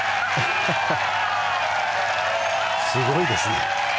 すごいですね。